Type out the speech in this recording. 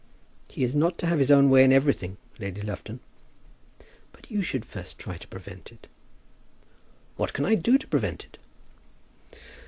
"He is not to have his own way in everything, Lady Lufton." "But you should first try to prevent it." "What can I do to prevent it?"